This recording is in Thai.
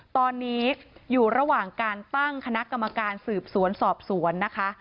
ตอนนี้อยู่ระหว่างการตั้งคณะกรรมการสืบสวนสอบสวนนะคะ